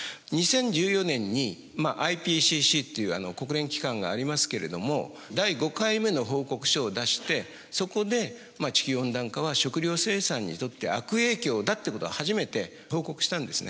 ２０１４年にＩＰＣＣという国連機関がありますけれども第５回目の報告書を出してそこで地球温暖化は食料生産にとって悪影響だということは初めて報告したんですね。